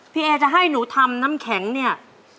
พี่เอจะให้หนูทำน้ำแข็งเนี่ย